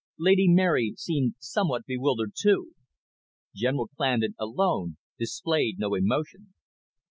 Lady Mary seemed somewhat bewildered too. General Clandon alone displayed no emotion.